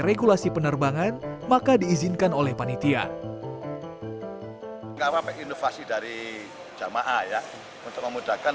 regulasi penerbangan maka diizinkan oleh panitia kalau inovasi dari jamaah ya untuk memudahkan